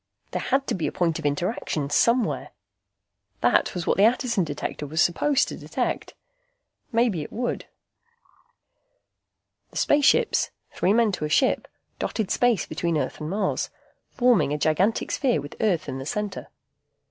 There had to be a point of interaction, somewhere. That was what the Attison Detector was supposed to detect. Maybe it would. The spaceships, three men to a ship, dotted space between Earth and Mars, forming a gigantic sphere with Earth in the center.